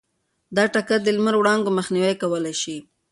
دا ټکر د لمر د وړانګو مخنیوی کولی شي.